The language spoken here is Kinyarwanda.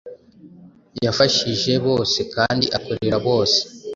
Yafashije bose kandi akorera bose.